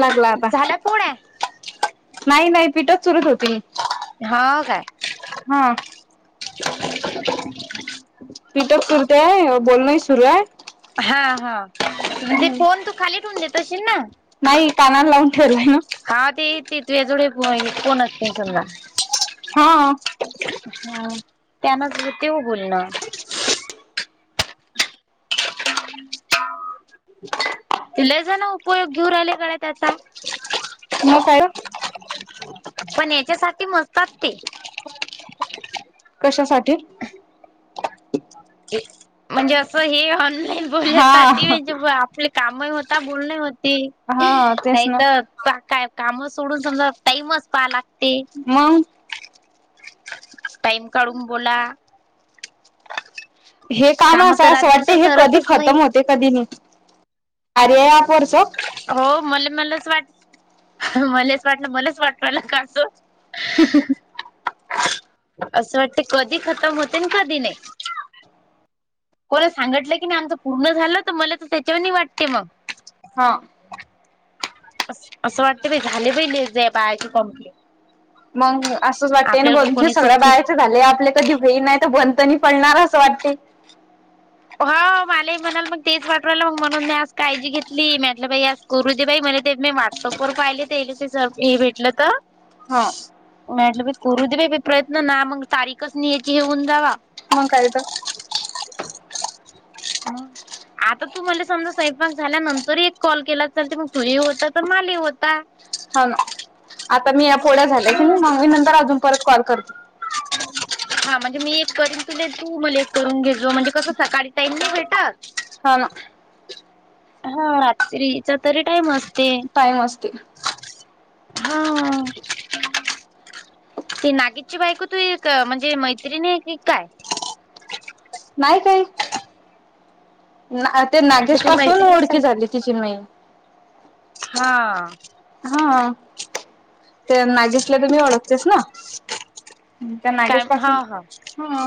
लागला आता. झाला पोळ्या नाही नाही पीठच चुरत होती मी. हाव काय. हा. पीट चुरतेय बोलणंही सुरू आहे हा हा म्हणजे हम्म फोन तू खाली ठेवून देत असशील ना. नाही कानाला लावून ठेवलाय ना. हा ते य ते तूया जोडीला कोण असते समजा. हा. ह त्यांनाच तेव बोलणं [inaudible] [inaudible] ते लई जण उपयोग घेऊ राहिले गड्या त्याचा मग काय पण याच्यासाठी मस्तात ते. कशासाठी? म्हणजे असं हे ऑनलाईन. हा बोलण्यासाठी म्हणजे आपले कामही होता बोलण होती हा तेच नाही ना तर काय काम सोडून समजा टाईमच पहा लागते. मग. टाइम काढून बोला. हे काम तर असं असं रात वाटत दिवस हे कधी सरतच नाही खतम होते कधी नाही कार्य ॲप वरच हो मले मलाच वाट मलेच वाटलं मलेच वाटू राहिलं काय असं [inaudible] असं वाटते कधी खतम होते अन कधी नाही. कोण सांगितलं की नाही आमचं पूर्ण झालं तर मले त त्याच्याहूनही वाटते मग. हां अस असं वाटते बाई झाले बाई या बायाचे कम्प्लीट. मग असंच वाटतय ना बघ काही जे कोणी सगळ्या सोपतीच बायाचे झाले आपले कधी होईल नाही त बंद त नी पडणार असं वाटते. हो मलाही म्हणाल मग तेच वाटून राहयला मग म्हणून मी आज काळजी घेतली म्या म्हटलं बाईज - करू दे बाई म्हणे ते मी व्हाटस्अप वर पाहिले तेले ते [unintelligible] हे भेटलं तर. हा म्या म्हटलं करू दे बई प्रयत्न ना मग तारीखच नाही याची हेऊन जावा. मंग कायत ह [unintelligible] आता तुम्हाला समजा स्वंपाक झाल्यानंतर एक कॉल केला तर, मग तुले होता अन माले होता. हो ना, आता मी या पोळ्या झाल्या की मग मी नंतर अजून परत कॉल करते. हा म्हणजे मी एक करीन तुले तू मले एक करू घे म्हणजे कस सकाळी टाईम नाही भेटत. हा ना. हा रात्रीचा तरी टाईम अस टाईम असते. हा. ती नागेशची बायको तुई क म्हणजे मैत्रीण आहे काय? नाही काही. ना ते म्हटलं नागेश तू पासून मैत्रीणच ओळखी झाली आहे तिची अनं मई. हा. हा, ते नागेशला तर मी ओळखतेस ना? त्या काय नागेश हा पासून हा हा.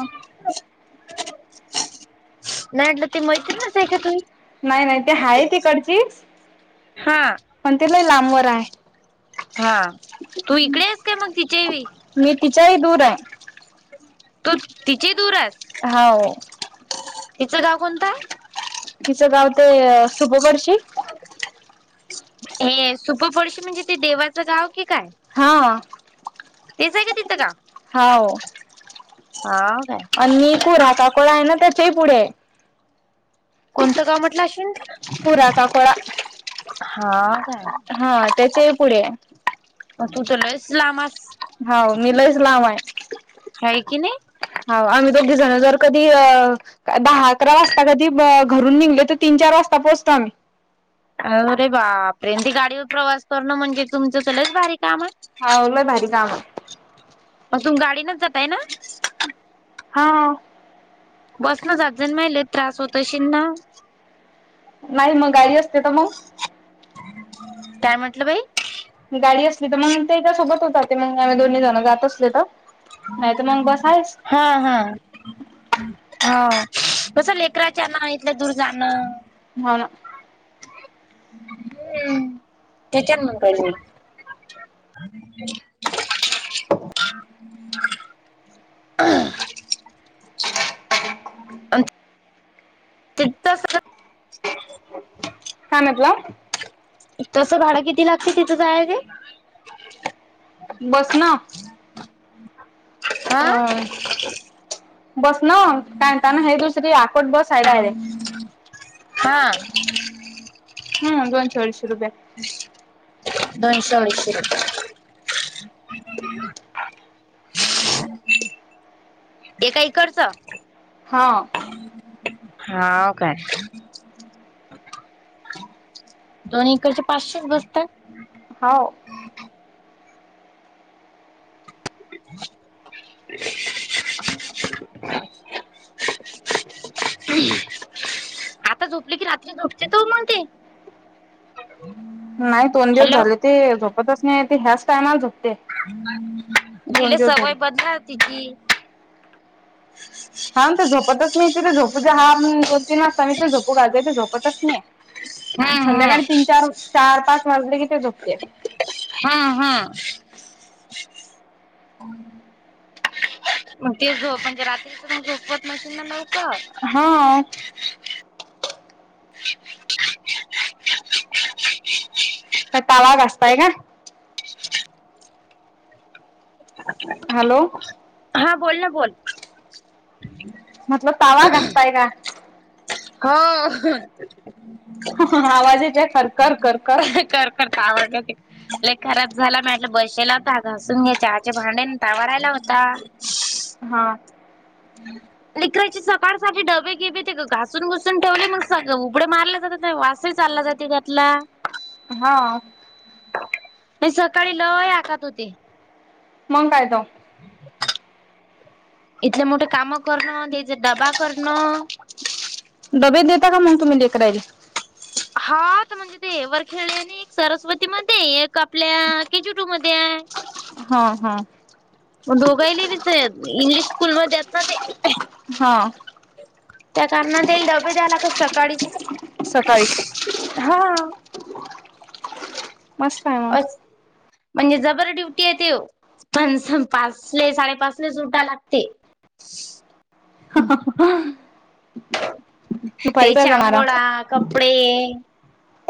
नाही म्हटलं ती मैत्रीणच आहे का तुम्ही? नाही नाही ते आहे तिकडचीच. हा. पण ते लय लांबवर आहे. हा तू इकडेस का मग तिचेवी मी तिच्याही दूर आहे तू तिचे दूर आहेस. हाव तिचं गाव कोणतं आहे? तिचं गाव ते, सुभोभरशी. हे सुभभरशी म्हणजे ते देवाचं गाव? की काय, हा तेच आहे का तिच गाव? हाव. हाव काय? आणि मी कोरा काकोळा आहे ना त्याच्याही पुढे कोणतं गाव म्हटलं अश्विनी तू? पुरा काकोळा. हा. हा त्याच्याही पुढे ये. म तू तर लय स लांब आहेस. हाव, मी लैच लांब आहे. है की नी. हाव, आम्ही दोघी जण जर कधी अ दहा, अकरा, वाजता कधी घरून निघले तर, तीन चार वाजता पोहोचतो आम्ही. अरे बापरे, गाडीवर प्रवास करणं म्हणजे तुमचं तर लयच बारी काम आहे. हाव, लय भारी काम आहे. म तुम गाडी नच जाता है न? हाव. बसन जात, मय लय त्रास होत शील ना नाही मग गाडी असते तर मग? काय म्हटलं बाई. गाडी असली तर, मग तेच्यासोबत जाते मग दोन्ही जण जात असले तर नाही तर मग बस आहेस. हा, हा, हा, कस लेकराच्या ना इथलं दूर जाणं. हो ना. हम्म, त्याच्यात म्हणतोय मी. [unintelligible] तित्त असं कर काय म्हटलं? तस भाडं किती लागत तिथं जाय ते? बस ना हा अय बस ना पॅन्ट आणि हाय दुसरी आकोट बस आहे डायरेक्ट हा. हम्म दोनशे अडीशे रुपये. दोनशे अडीशे रुपये. [unintelligible] दे का इकडचं हा हावं काय? दोन इकडचे पाचशेच बसता हाव [unintelligible] आता झोपली की रात्री झोपते का ओ मंग ती नाय दोन दिवस हॅलो झाले ते झोपतच नाय ती ह्याच टायमाला झोपते. दोन तिला दिवस झाले. सवय बदला तिची हा म ती झोपतच नाय तिला झोपू हा दोन तीन वाजता मी पण झोपू घालतोय ती झोपतच नाय ये. मं हम्म संध्याकाळी तीन चार चार पाच वाजले की ते झोपते. हा हा मग ती झोप म्हणजे रात्रीच पण झोपवत नशील ना लवकर हा ता तवा घासताय ना [unintelligible] हॅलो हा बोल ना बोल म्हटलं तावा घासताय ना. हो आवाज येते करकर करकर कर करता आवडलं ते लय खराब झाला मी म्हटले बसेला होता घासून घे चहाचे भांडे न तवा रायला होता. हा. [unintelligible] लेकरायची सकाळ साके डबे घेबेत ते ग घासून घुसून ठेवले मग सगळं उबडे मारले जात वास चालला जातय त्यात ला. हा. ते सकाळी लय आकात होते. मंग काय त [unintelligible] इथले मोठे काम करणं त्याइचा डबा करणं डबे देता का मग तुम्ही लेकरायला. हा त म्हणजे ते एक वर खेळले न एक सरस्वती मध्ये एक आपल्या के जी टू मध्ये हाय. हा हा. मग दोघ ही लिविंच येते इंग्लिश स्कूलमध्ये आहेत ना ते हा. त्या कारणा त्याला डबे द्यायलाचं सकाडी सकाळीस हा मस्त आहे म अस म्हणजे जबर ड्युटी आहे त पण पाचले साडेपाचले सुटा लागते ह ह ह काय तेइच्या जाणारा? आंघोळा कपडे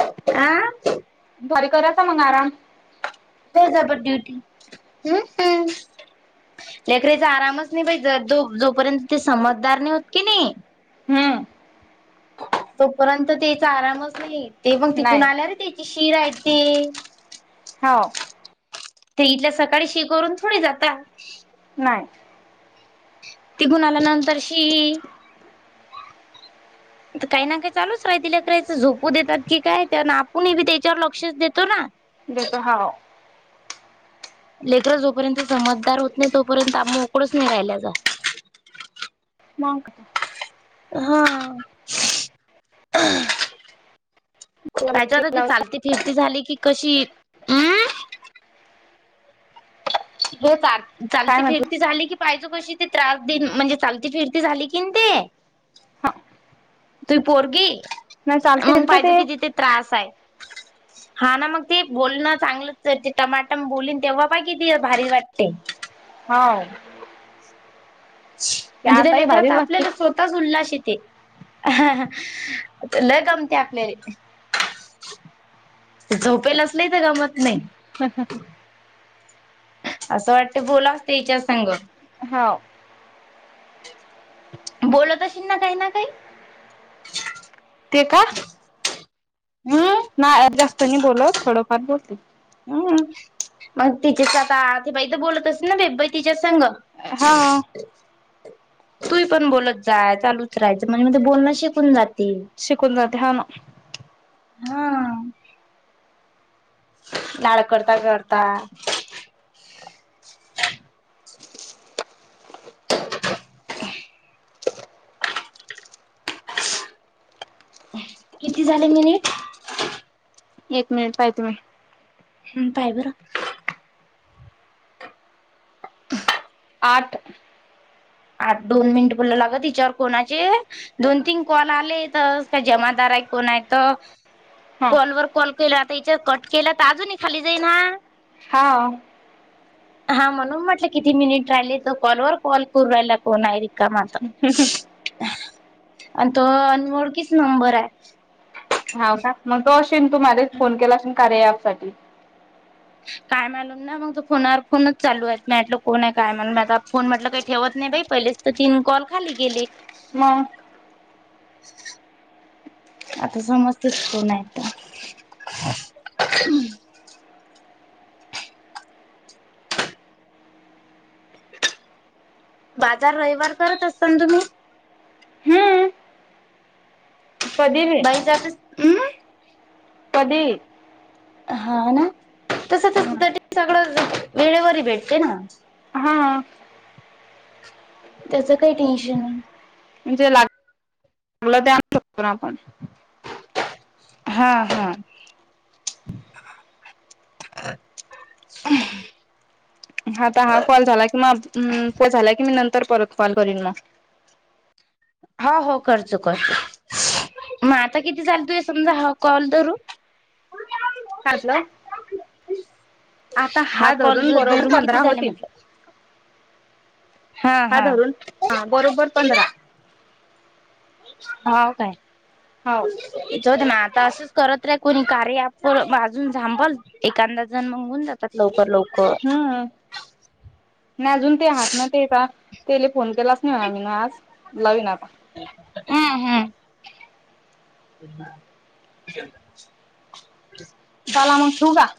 आ घर कराचा मंग आराम. तेच अबान ड्युटी हं लेकरचा आरामच नाय बाई दो जोपर्यंत ते समजदार नाही होत की नी हम्म तोपर्यंत तेचा आरामच नाही ते मग तिकून नाही आल्या रे त्याची शि रायची हो. ते इथल्या सकाळी शी करून थोडी जाता नाही तिघून आल्यानंतर शि काही ना काही चालूच राहितीला करायचं झोपू देतात की काय आपणही बी त्याच्यावर लक्षच देतो ना देतो हाव लेकर जोपर्यंत समजदार होत नाही तोपर्यंत आम् मोकळच नाही राहिला जा म क हा पाहिजे आता की काय चालती फिरती झाली की कशी हे चालती म्हटलं फिरती झाली की पाहिजो कशी ते त्रास दिन म्हणजे चालती फिरती झाली की ते हा तु पोरगी नाही चालते मग फिरते पाहिजे ते कि तिथे त्रास आहे हा ना मग ते बोलणं चांगलंच तर ते टमाटाम बोललीन तेव्हा बा कि ती भारी वाटते होा म्हणजे ते आताही लेकर तर भारीच वाटते. आपल्याला स्वतःच उल्हस येते हा ह ल गमती आकलेले ते झोपेल असले तर गामात नाही हम हं हं असं वाटतं बोलाते हच्या संग होा बोलत असेील ना काही ना काही ते का हम नाही जास्त नाही बोलत थोडंफार बोलते हम् मग तिच्याच आता ते बाई तर बोलत असस ना बेबई तिच्या संग हा तू पण बोलत जा चालूच राहाचं म्हणजे मग ते बोलणं शिकून जातील शिकून जाते हा ना हा लाड करता का करता किती झाले मिनिट एक मिनिट पाहिती मी हम्म पाय बर आठ आठ दोन मिनिट बोललं लाग तिच्यावर कोणाचे दोन तीन कॉल आले तर काय जमादार आहे कोण आहे तर हा कॉलवरर कॉल केला आता याच्या कट केला तर अजूनही खाली जाई ना हा हा म्हणून म्हटलं किती मिनिट राहिले त कॉलवर कॉल करू राहियला कोण आहे का मात आणि तो अनमळखीच नंबर आहे हा का मग तो असेल तू मझला फोन केला असेल कार्यायाफसाठीठी काय मालू मग तो फोनावर फोनच चालू आहे मटलं कोण आहे काय म्ह आता फोन म्हटलं काही ठेवत नाही बाई पहिलेच तर तीन कॉल खाली गेले म आता समस्तच कोण आहेतेत हम् बाजार रविवार करत असता तुम्ही हम्म कधी बी बाई जात हम् कधी हा ना तस तस सगळं वेळेवर भेटते ना हा त्याचं काही टेन्शन आहे म्हणजे ला चांगलं ते आणू शकतो ना आपण हा हा स हाता हा कॉल झाला कि म पो झाला कि मी नंतर परत कॉल करीलन मग हो हो करचो कर मग आता किती चाल तू हे समजा ह कॉल धू कातलं आता हा कॉल धरून बरोबर पंधरा किती झाले होतील म्हटलं हा धरून बरोबर पंधरा हा काय हो इच होत ना आता असंच करत र कोणी कार्य आप वाजून सांभल एखादा जण मंगून जातात लवकर लवकर हा नाही अजून ते आहात ना ते ते फोन केलाच नाही म्हणार आ म् ना आज लावन आता हम् सलामंग ठू का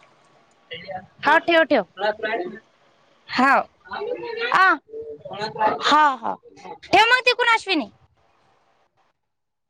हा ठेव ठेव हा अ हा हा ठेव मग तिकून अससवी नाही